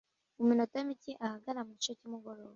mu minota mike ahagana mu gice cy’umugongo